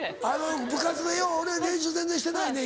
部活でよう「俺練習全然してないねん」